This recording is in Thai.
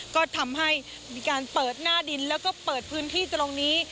ก็ทำให้มีการเปิดหน้าดินแล้วก็เปิดพื้นที่ตรงนี้